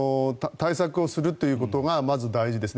対策をするということがまず大事ですね。